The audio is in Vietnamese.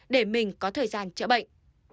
để mình có thời gian chữa bệnh